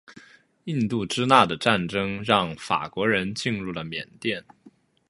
印度支那的战争让法国人进入了缅甸。